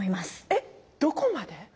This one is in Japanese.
えっどこまで？